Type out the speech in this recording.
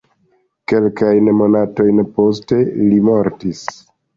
Kelkajn monatojn poste li mortis.